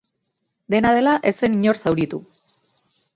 Dena dela, ez zen inor zauritu.